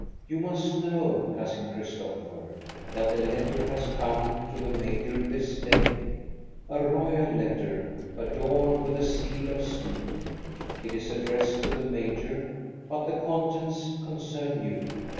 You must know, Cousin Christopher, that a letter has come to the major this day, a royal letter adorned with the seal of Sweden. It is addressed to the major, but the contents concern you.